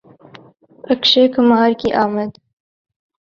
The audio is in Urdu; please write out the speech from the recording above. اکشے کمار کی آمد